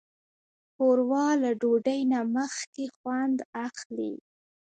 ښوروا له ډوډۍ نه مخکې خوند اخلي.